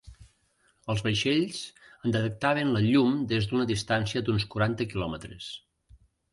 Els vaixells en detectaven la llum des d'una distància d'uns quaranta quilòmetres.